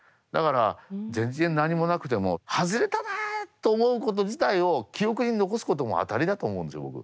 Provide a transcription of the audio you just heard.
だから全然何もなくてもハズレたなあと思うこと自体を記憶に残すことも当たりだと思うんですよ